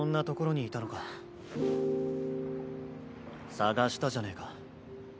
捜したじゃねぇか。